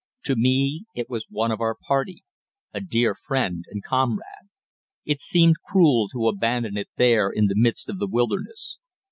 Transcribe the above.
To me it was one of our party a dear friend and comrade. It seemed cruel to abandon it there in the midst of the wilderness.